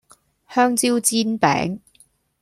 香蕉煎餅